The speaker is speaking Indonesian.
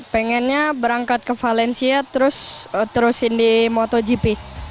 pengennya berangkat ke valencia terusin di motogp